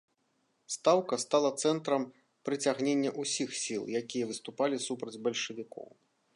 Стаўка стала цэнтрам прыцягнення ўсіх сіл, якія выступалі супраць бальшавікоў.